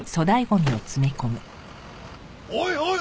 おいおい